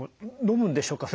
のむんでしょうか？